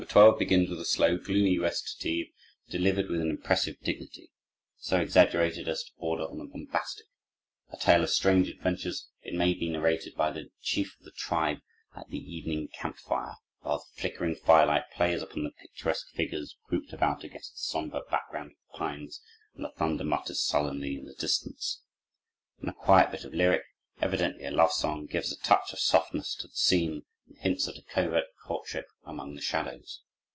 12 begins with a slow, gloomy recitative delivered with an impressive dignity so exaggerated as to border on the bombastic; a tale of strange adventures, it may be, narrated by the chief of the tribe at the evening camp fire, while the flickering firelight plays upon the picturesque figures grouped about against the somber background of the pines, and the thunder mutters sullenly in the distance. Then a quiet bit of lyric, evidently a love song, gives a touch of softness to the scene, and hints at a covert courtship among the shadows.